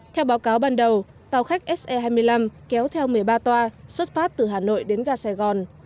theo báo cáo ban đầu tàu khách se hai mươi năm kéo theo một mươi ba toa xuất phát từ hà nội đến ga sài gòn